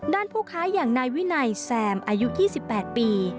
ผู้ค้าอย่างนายวินัยแซมอายุ๒๘ปี